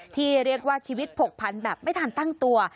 ที่เรียกว่าชีวิตผกพันแบบไม่ทันตั้งตัว